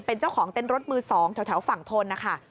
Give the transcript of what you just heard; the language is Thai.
เป็นเจ้าของเต้นรถมือ๒แถวฝั่งทนนะคะ